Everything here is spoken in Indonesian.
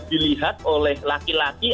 dilihat oleh laki laki